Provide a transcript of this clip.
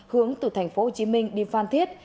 hướng từ thành phố hồ chí minh đi phan thiết